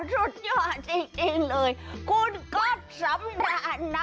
สุดยอดจริงเลยคุณก๊อฟสำราญนะ